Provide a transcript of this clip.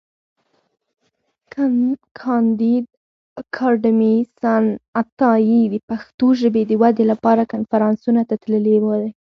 کانديد اکاډميسن عطایي د پښتو ژبي د ودي لپاره کنفرانسونو ته تللی دی.